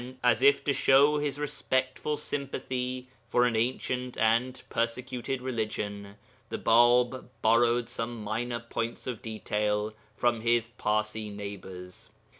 As if to show his respectful sympathy for an ancient and persecuted religion the Bāb borrowed some minor points of detail from his Parsi neighbours.